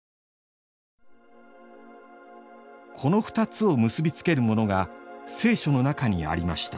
この２つを結び付けるものが「聖書」の中にありました。